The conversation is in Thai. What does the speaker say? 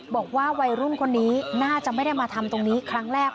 บอกว่าวัยรุ่นคนนี้น่าจะไม่ได้มาทำตรงนี้ครั้งแรก